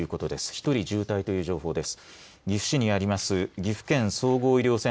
１人重体という情報です。